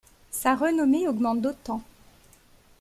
Sa renommée augmente d’autant.